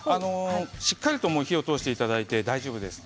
しっかりと火を通していただいて大丈夫です。